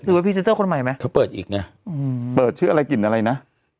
หรือว่าพี่เซ็ตเตอร์คนใหม่ไหมเขาเปิดอีกเนี่ยเปิดชื่ออะไรกลิ่นอะไรนะ